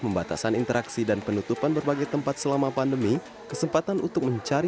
pembatasan interaksi dan penutupan berbagai tempat selama pandemi kesempatan untuk mencari